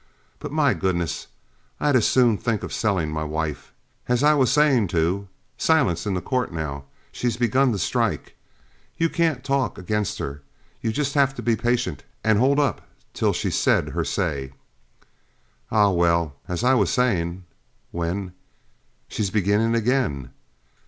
But my goodness I'd as soon think of selling my wife. As I was saying to silence in the court, now, she's begun to strike! You can't talk against her you have to just be patient and hold up till she's said her say. Ah well, as I was saying, when she's beginning again!